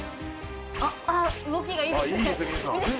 あっああ動きがいいですね